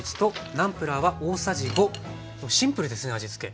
シンプルですね味つけ。